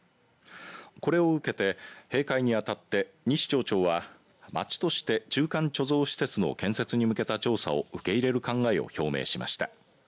これを受けて、閉会にあたって西町長は町として中間貯蔵施設の建設に向けた調査を受け入れる考えを表明しました。